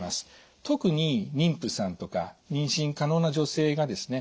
特に妊婦さんとか妊娠可能な女性がですね